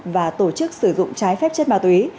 và tổ chức sử dụng trái phép chất ma túy